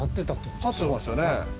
立ってましたよね。